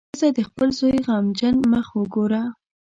ښځه د خپل زوی غمجن مخ وګوره.